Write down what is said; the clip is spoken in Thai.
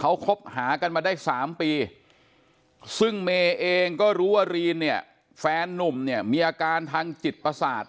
เขาคบหากันมาได้๓ปีซึ่งเมย์เองก็รู้ว่ารีนเนี่ยแฟนนุ่มเนี่ยมีอาการทางจิตประสาท